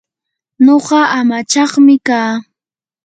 nuqa amachaqmi kaa.